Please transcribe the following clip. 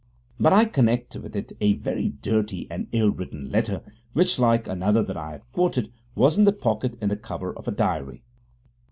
But I connect with it a very dirty and ill written letter, which, like another that I have quoted, was in a pocket in the cover of a diary.